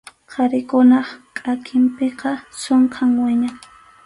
Qharikunap kʼakinpiqa sunkham wiñan.